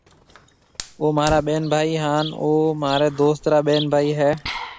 او مهارا ٻين ڀائِي هيَ هانَ اَي مهاريَ دوست را ٻين ڀائِي هيَ۔